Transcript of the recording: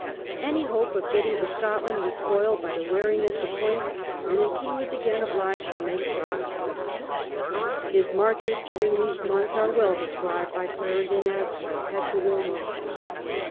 Any hope of getting to Scotland was spoiled by the wariness of Poyntz, and the king was again obliged to make for Oxford. 54 CHARLES GOES TO THE SCOTS. His marches during these months are well described by Clarendon as "perpetual motion".